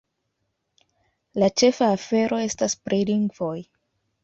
La ĉefa afero estas pri lingvoj.